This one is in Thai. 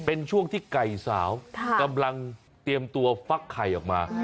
เป็นช่วงที่ไก่สาวกำลังเตรียมตัวฟักไข่ออกมา